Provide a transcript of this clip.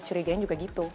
saya curigainya juga gitu